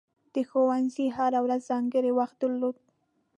د ښوونځي هره ورځ ځانګړی وخت درلود.